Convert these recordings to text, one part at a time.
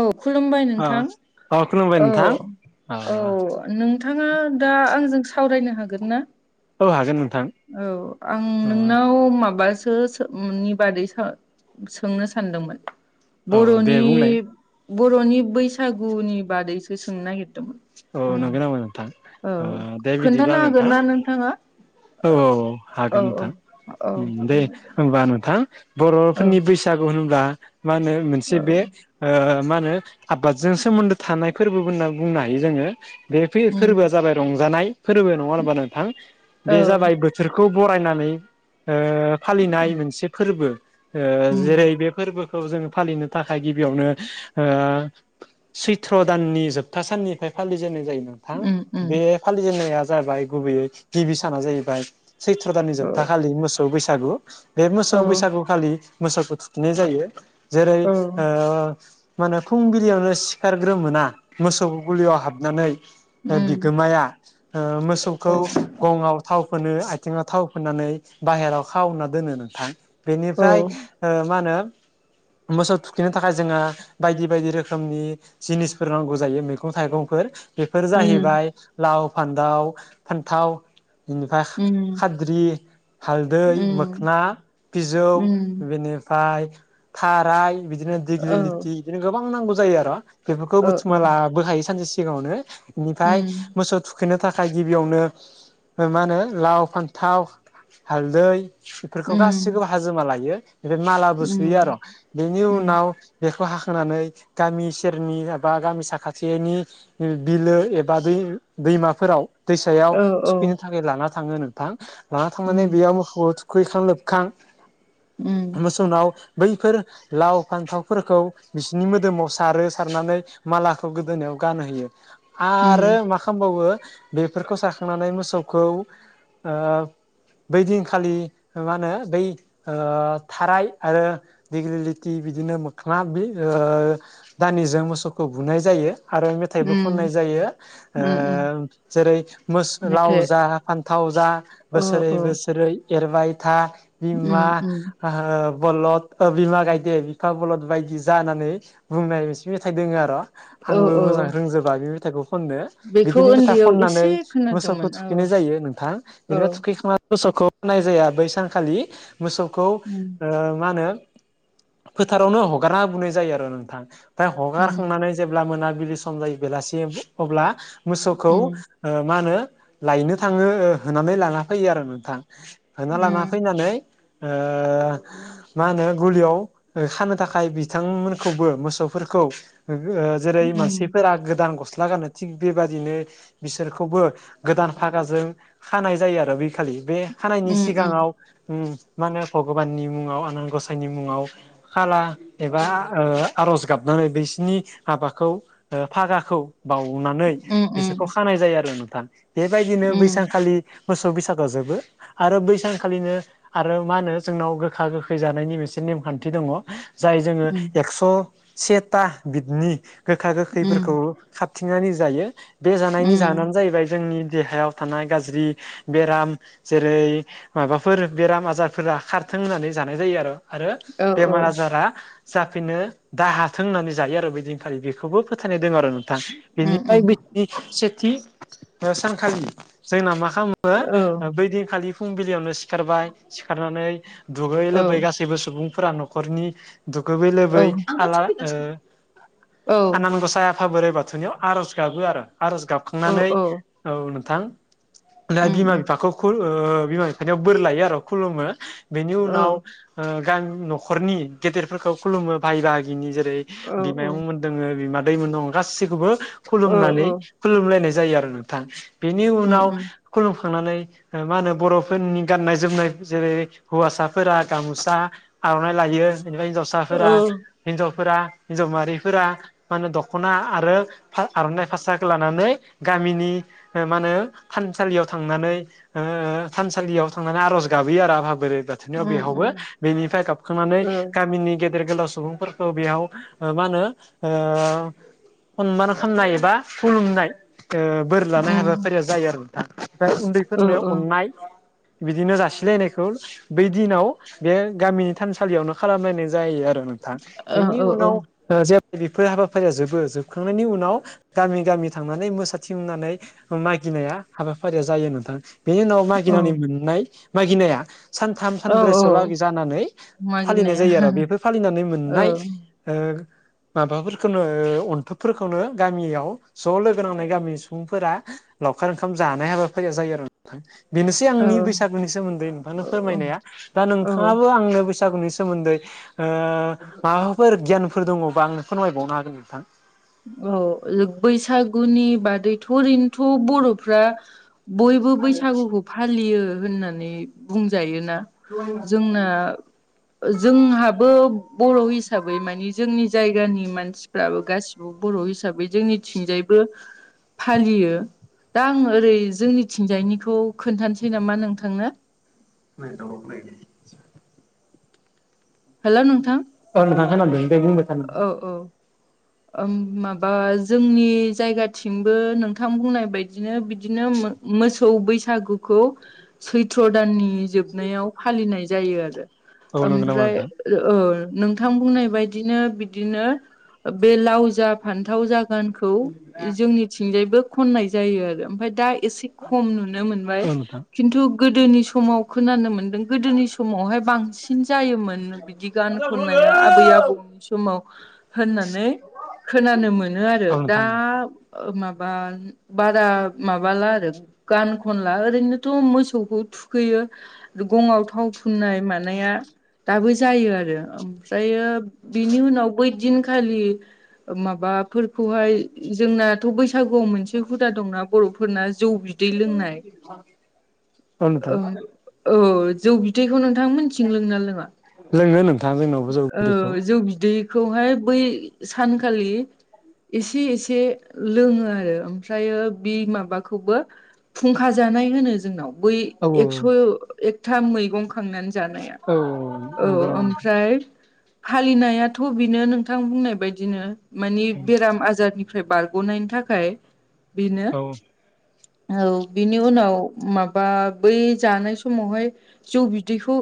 औ खुलुमबाय अ नोंथां अ खुलुमबाय औ नोंथां अ औ नों नोंथाङा दा आंजों सावरायनो हागोन ना औ हागोन नोंथां औ आं अ नोंनाव माबासो नि बादै स सोंनो सानदोंमोन औ दे बर'नि बुंलाय बर'नि बैसागुनि बादैसो सोंनो औ नागिरदोंमोन नंगौ नामा नोंथां औ ओ दे खोन्थानो बिदिब्ला हागोन नोंथां ना नोंथाङा औ औ औ औ हागोन औ नोंथां औ दे होनबा नोंथां औ बर'फोरनि बैसागु होनोब्ला मा होनो मोनसे औ बे मा होनो आबादजों सोमोन्दो थानाय फोरबो होनना बुंनो हायो जोङो बे उम फोरबोआ जाबाय रंजानाय फोरबो नङा होनबा नोंथां औ बे जाबाय बो बिखौ बरायनानै फालिनाय मोनसे फोरबो उम जेरै बे फोरबोखौ जोङो फालिनो थाखाय गिबियावनो सैत्र' दाननि जोबथा साननि फालिजेननाय जायो नोंथां उम उम बे फालिजेननाया जाबाय गुबैयै गिबि साना जाहैबाय सैथ्र' दाननि औ जोबथा खालि मोसौ बैसागु बे औ मोसौ बैसागुखौ खालि मोसौखौ थुखैनाय जायो जेरै औ मा होनो फुंबिलियावनो सिखारग्रो मोना मोसौ गुलियाव हाबनानै उम बिगोमाया ओ मोसौखौ औ गंआव थाव फोनो आथिङाव थाव फोननानै बाहेराव खावना दोनो नोंथां औ बेनिफ्राय मा होनो मोसौ थुखैनो थाखाय जोङो बायदि बायदि रोखोमनि जिनिसफोर नांगौ जायो मैगं- मैगं थाइगंफोर बेफोर उम जाहैबाय लाव फान्थाव फान्थाव बेनिफ्राय उम खाद्रि हालदै उम मोखोना बिजौ उम बेनिफ्राय थाराय बिदिनो दिग्लि औ लिथि बिदिनो गोबां नांगौ जायो आर बेफोरखौ ओ औ बुथुमना लाबोखायो सानसे सिगाङावनो। बेनिफ्राय उम मोसौ थुखैनो थाखाय गिबियावनो मा होनो लाव, फान्थाव, हालदै बेफोरखौ उम गासैखौबो हाजोबना लायो। ओमफ्राय मालाबो सुयो आर'। उम बेनि उम उनाव बेखौ हाखांनानै गामि सेरनि एबा गामि साखा थिनि बिलो एबा दै-दैमाफोराव दैसायाव औ औ थुखैनो था लाना थाङो नोंथां। लाना थांनानै उम बेयाव मोसौखौ थुखैखां लोबखां उम मोसौनाव बैफोर लाव फान्थावफोरखौ बिसिनि मोदोमाव सारो, सारनानै माला खौ गोदोनायाव गानहोयो आरो उम मा खामबावो बेफोरखौ साखांनानै मोसौखौ बै दिनखालि मा होनो बै थाराय आरो दिग्लिलिटि बिदिनो मोख्ला दानिजों मोसौखौ बुनाय जायो आरो उम मेथाइबो खननाय जायो। ओ उम उम जेरै मोस लाव मेथाइ जा फान्थाव जा अ बोसोरै बोसोरै एरबाय था बिमा उम उम बलद ओ बिमा गायदे बिफा बलद बायदि जा होननानै बुंनाय मोनसे मेथाइ दोङो आर' औ आंबो औ मोजां रोंजोबा बे मेथाइखौ खननो। बेखौ बिदिनो मेथाइ उन्दैयाव खननानै एसे मोसौखौ खोनादोंमोन औ थुखैनाय जायो नोंथां। औ बेनिफ्राया थुखैखां मोसौखौ होननाय जाया बै सानखालि मोसौखौ उम मा होनो फोथारावनो हगारना होबोनाय जायो आरो नोंथां। ओमफ्राय उम हगारखांनानै जेब्ला मोनाबिलि सम जायो बेलासि अब्ला मोसौखौ उम ओ मा होनो लायनो थाङो होनानै लाना फैयो आरो नोंथां होना उम लाना फैनानै ओ मा होनो गलियाव खानो थाखाय बिथांमोनखौबो मोसौफोरखौ ओ जेरै उम मानसिफोरा गोदान गस्ला गानो थिग बेबादिनो बिसोरखौबो गोदान फागाजों खानाय जायो आरो बि खालि बे हानायनि उम उम सिगाङाव मा होनो भगबाननि मुङाव आनान गसाइनि मुङाव खाला एबा आर'ज गाबनानै बिसिनि हाबाखौ ओ फागाखौ बाउनानै बिसोरखौ उम खानाय जायो आरो नोंथां। बेबायदिनो बैसानखालि मोसौ बैसागुआव जोबो। आरो बैसानखालिनो आरो मा होनो जोंनाव गोखा गोखै जानायनि मोनसे नेमखान्थि दङ। जाय जोङो उम एक्स' सेथा बिनि गोखा उम गोखैफोरखौ खाबथिंनानै जायो। बे जानायनि उम जाहोनानो जाहैबाय जोंनि देहायाव थानाय गाज्रि बेराम जेरै माबाफोर बेराम आजारफोरा खारथों होननानै जानाय जायो आरो। आरो औ औ बेमार आजारा जाफिननो दा हाथों होननानै जायो आरो बिदिन खालि बेखौबो फोथायनाय दङ आरो नोंथां उम उम बेनिफ्राय सेथि सानखालि जोंना मा खालामो? औ बैदिनखालि फुंबिलियावनो सिखारबाय सिखारनानै दुगै औ लोबै गासै सैबो सुबुंफोरा न'खरनि दुगोबै लोबै आला ओ औ औ आनान गसाइ आफा बोराइ बाथौनियाव आर'ज गाबो आरो आर'ज औ गाबखांनानै औ नोंथां। दा बिमा बिफाखौ बिमा बिफानियाव बोर लायो आरो खुलुमो। बेनि उनाव गामि न'खरनि गेदेरफोरखौ खुलुमो बाहाय बाहागिनि जेरै बिमायंमोन दोङो बिमा दैैमोन दं गाैखौबो खुलुमनानै खुलुमलायनाय जायो आरो नोंथां। बेनि उनाव खुलुमखांनानै मा होनो बर'फोरनि गाननाय जोमनाय जेरै हौवासाफोरा गामसा आर'नाइ लायो। बेनिफ्राय हिन्जावसाफोरा हिन्जावफोरा हिन्जाव माहारि फोरा माहोनो दख'ना आरो आर'नाइ फा-फास्राखौ लानानै गामिनि मा होनो थानसालियाव थांनानै ओ थानसालियाव थांनानै आर'ज गाबहैयो आरो आफा बोरोइ बा थौआव। बेवहायबो बेनिफ्राय गाबखांनानै गामिनि गेदेर-गोलाव सुबुंफोर खौ बेयाव ओ मा होनो ओ सनमान खालामनाय एबा खुलुमनाय ओ बोर लानाय हाबाफारिया जायो आरो नोंथां उन्दैफोरनो अननाय बिदिनो जासिलायनायखौ बै दिनाव बे गामिनि थानसालियावनो खालामलायनाय जायो आरो नों थां बेनि औ उनाव जे बेफोर हाबाफारिया जोबो जोबखांनायनि उनाव गामि-गामि थांनानै मोसाथिंनानै मागिनाया हाबाफारिया जायो नोंथां। बेनि उनाव मागिनानै मोननाय मागिनाया सानथाम औ औ सानब्रैसोआवलागै जानानै फालिनाय मागिनाया जायो आरो। बेफोर फालिनानै औ मोननाय ओ माबाफोरखौनो ओ अन्थुबफोरखौनो गामियाव ज' लोगो नांनाय गामिनि सुबुंफोरा लावखार ओंखाम जानाय हाबाफारिया जायो आरो। बेनोसै औ आंनि बैसागुनि सोमोन्दै नोंथांनो औ फोरमायनाया। दा औ नोंथाङाबो आंनो बैसा गुनि सोमोन्दै ओ माबाफोर गियानफोर दङबा आंनो फोरमायबावनो हागोन नोंथां। औ लो बैसागुनि बादैथ' ओरैनोथ' बर'फ्रा बयबो बैसागुखौ फालियो होननानै बुंजायोना। जोंना जोंहाबो बर' हिसाबै मानि जोंनि जायगानि मानसिफ्राबो गासिबो बर' हिसाबै जोंनिथिंजायबो फालियो। दा आं ओरै जोंनिथिंजायनिखौ खोनथानोसै नामा नोंथांनो। नाय दलब नायदो। हेलौ नोंथां। औ नोंथां खानादों दे बुंदो। औ औ। ओम माबा जोंनि जायगाथिंबो नोंथां बुंनाय बायदिनो बिदिनो मोसौ बैसागुखौ सैथ्र' दाननि जोब नायाव फालिनाय जायो आरो। औ नंगौ नामा ओमफ्राय ओ नोंथां बुंनाय बाय बिदिनो बिदिनो बे लाव जा, फान्थावजा, गानखौ जोंनि थिंजायबो खननाय जायो आरो। ओमफाय दा एसे खम नुनो मोनबाय नोंथां खिन्थु गोदोनि समाव खोनानो मोन्दों गोदोनि समावहाय बां सिन जायोमोन बिदि गान खननाया आबै-आबौ समाव होननानै खोनानो मोनो आरो। औ नोंथां औ दा नोंथां ओ माबा बारा माबाला आरो गान खनला ओरैनोथ' मोसौखौ थुखैयो। गंआव थाव फुननाय मानाया दाबो जायो आरो। ओमफ्रायो बिनि उनाव बैदिनखालि माबाफोरखौहाय जोंना थ' बैसागुआव मोनसे हुदा दंना बर'फोरना जौ बि दै लोंनाय। औ नोंथां ओं ओ जौ बि दैैखौ नोंथां मोननिथिं लोङोना लोङा? लोङो नोंथां जोंनावबो जौ बिदैखौ औ। जौ बिदैखौहाय बै सानखालि एसे-एसे लोङो आरो। ओमफ्रायो बे माबाखौबो फुंखा जानाय होनो जोंनाव बै औ एकस' एकथा मैगं खांनानै जानाया। औ औ नंगौ नामा नोंथां ओमफ्राय फालिनायाथ' बेनो नोंथां बुंनाय बायदिनो मानि बेराम आजारनि फ्राय बारग'नायनि थाखाय बेनो। औ औ बिनि उनाव माबा बै जानाय समावहाय जौ बिदैखौ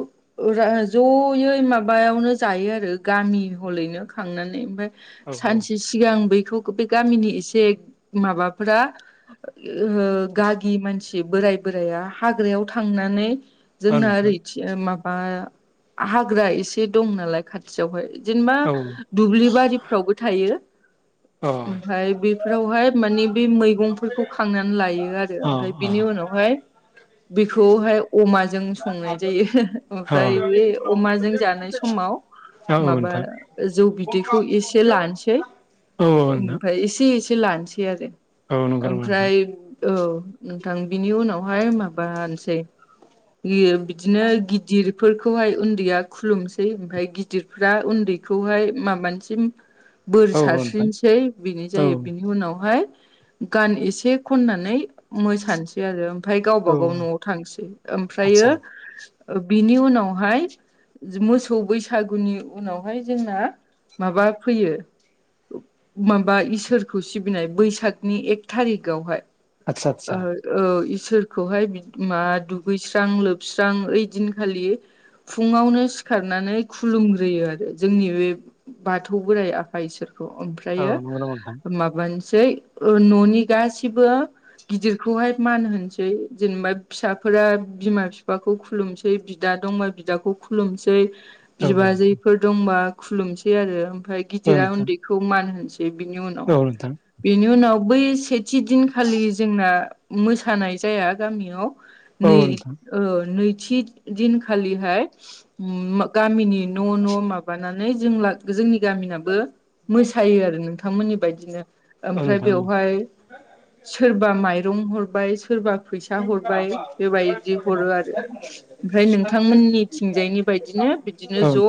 जयै माबायावनो जायो आरो। गामि हलैनो खांनानै ओमफ्राय औ सानसे सिगां बैखौ बे गामिनि एसे माबाफोरा गागि मानसि बोराय बोराइया हाग्रायाव थांनानै औ जोंना नोंथां ओरैथिं माबा हाग्रा एसे दं नालाय खाथि यावहाय जेनेबा औ अ दुब्लि बारिफ्रावबो थायो। अ अ औ ओमफ्राय बेफोरावहाय माने बे मैगंफोरखौ खांनानै लायो। ओमफ्राय बिनि उनावहाय बेखौहाय अमाजों संनाय जायो ओमफ्राय बे अमाजों जानाय समाव औ नोंथां औ माबा नोंथां जौ बिदैखौ एसे लानोसै ओमफ्राय एसे- एसे लानोसै आरो औ नंगौ नामा नोंथां ओमफ्राय औ नोंथां बिनि उनावहाय माबानोसै बिदिनो गिदिरफोरखौहाय उन्दैया खुलुमसै ओमफ्राय गिदिरफ्रा उन्दैखौहाय माबानिसिम बोर औ औ नोंथां सारस्रिनोसै बिनि औ जायो बिनि उनावहाय। गान एसे खननानै मोसानोसै बि आरो ओमफ्राय औ गावबा गाव न'आव थांसै आदसा ओमफ्रायो बिनि उनावहाय मोसौ बैसागो बैसागुनि उनावहाय जोंना माबा फैयो। माबा इसोरखौ सिबिनाय बैसागनि एक थारिखावहाय आदसा आदसा औ इसोरखौहाय मा दुगैस्रां लोबस्रां ओइदिनखालि फुङावनो सिखारनानै खुलुमग्रोयो आरो जोंनि बे बाथौ बोराइ आफा इसोरखौ ओमफ्राय औ नंगौ नामा नोंथां? ओमफ्रायो माबानोसै न'नि गासिबो गिदिरखौहाय मान होनोसै जेनेबा फिसाफोरा बिमा बिफाखौ खुलुमसै बिदा दंबा बिदाखौ खुलुमसै औ बिबाजैफोर दंबा खुलुमसै आरो ओमफ्राय औ गिदिरा नोंथां उन्दैखौ मान होनोसै बिनि औ उनावहाय नोंथां बेनि उनाव बै सेथि दिनखालि जोंना मोसानाय जाया गामियाव औ नै नोंथां नैथि दिनखालिहाय गामिनि न' न' माबानानै जों जोंनि गामिनाबो मोसायो आरो नोंथांमोननि बायदिनो औ ओमफ्राय नोंथां औ बेवहाय सोरबा माइरं हरबाय सोरबा फैसा हरबाय बेबायदि हरो आरो ओमफ्राय नोंथांमोननि थिंजायनि बायदिनो बिदिनो ज'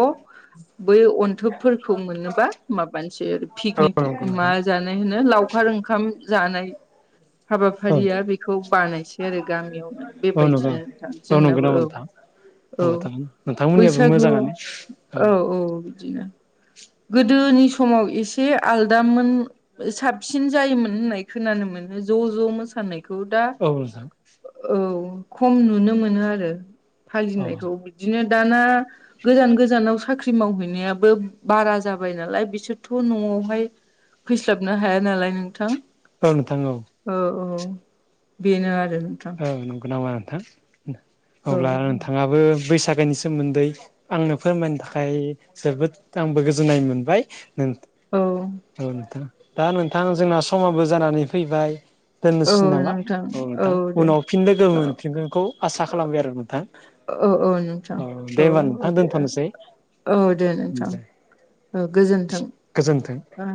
बै अन्थोबफोरखौ मोनोबा माबानोसै आरो पिकनिक औ नंगौ मा नोंथां जानाय होनो लावखार ओंखाम जानाय औ हाबाफारिया बेखौ बानायसै आरो गामियावनो औ नंगौ बेबायदिनो नोंथां जोंनाबो औ -औ। नोंथांमोननि बैसागु औ -औ बिदिनो गोदोनि समाव एसे आलदामोन साबसिन जायोमोन होननाय खोनानो मोनो ज' ज' मोसानायखौ दा औ नोंथां औ खम नुनो मोनो आरो औ फालिनायखौ बिदिनो दाना गोजान गोजानाव साख्रि मावहैनायाबो बारा जाबाय नालाय बिसोरथ' न'आवहाय फैस्लाबनो हाया नालाय नोंथां। औ नोंथां औ। औ -औ बेनो आरो नोंथां। औ नंगौ नामा नोंथां औ अब्ला नोंथाङाबो बैसागोनि सोमोन्दै आंनो फोरमायनो थाखाय जोबोद आंबो गोजोननाय मोनबाय। औ औ नोंथां दा नोंथां जोंना समाबो जानानै फैबाय। औ दोननोसै नामा नोंथां औ नोंथां दे उनाव फिन लोगो औ मोनफिनगोनखौ आसा खालामबाय आरो नोंथां। औ औ नोंसां दे औ होमबा औ नोंथां दे दोनथ'नोसै औ दे नोंथां। दे औ गोजोन्थों। गोजोन्थों ओ